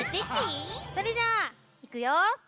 それじゃあいくよ。